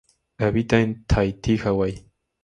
Habita en Tahiti, Hawái.